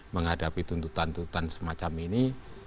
menghadapi tuntutan tuntutan semacam ini